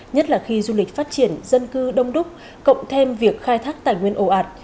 nhất là khi du lịch phát triển dân cư đông đúc cộng thêm việc khai thác tài nguyên ồ ạt